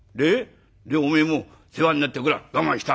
おめえも世話になったから我慢した。